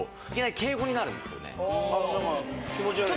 気持ち悪いね。